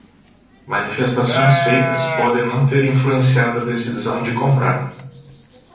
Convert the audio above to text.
Manifestações feitas podem não ter influenciado a decisão de comprar.